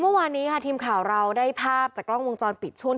เมื่อวานนี้ค่ะทีมข่าวเราได้ภาพจากกล้องวงจรปิดช่วง